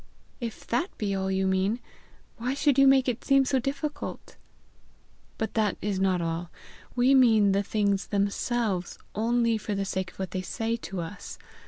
"If that be all you mean, why should you make it seem so difficult?" "But that is not all. We mean the things themselves only for the sake of what they say to us.